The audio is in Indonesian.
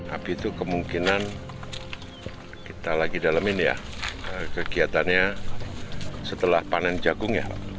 api itu kemungkinan kita lagi dalamin ya kegiatannya setelah panen jagung ya